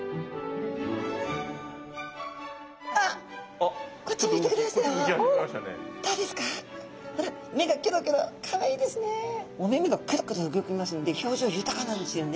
お目目がくるくる動きますので表情豊かなんですよね。